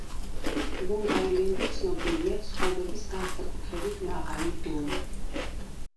ლონგ-აილენდი ცნობილია ცხოვრების განსაკუთრებით მაღალი დონით.